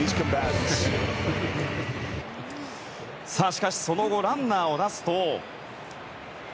しかし、その後ランナーを出すと。